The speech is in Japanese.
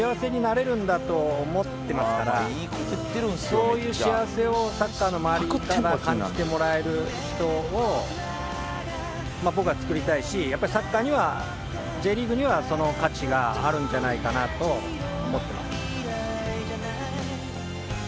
そういう幸せをサッカーの周りから感じてもらえる人を僕は作りたいしやっぱりサッカーにはＪリーグにはその価値があるんじゃないかなと思ってます。